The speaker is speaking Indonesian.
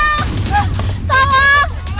eh jangan tung